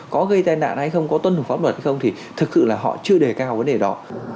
có gây tai nạn hay không có tuân thủ pháp luật hay không thì thực sự là họ chưa đề cao vấn đề đó